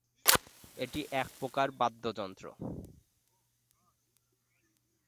এটি এক প্রকার বাদ্যযন্ত্র।